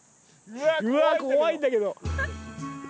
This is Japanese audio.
うわ怖いんだけど。